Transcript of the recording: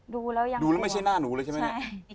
ดูแล้วไม่ใช่หน้าหนูเลยใช่ไหม